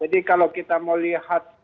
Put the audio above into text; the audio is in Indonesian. jadi kalau kita mau lihat